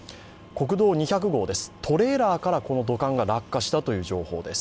国道２００号です、トレーラーからこの土管が落下したという情報です。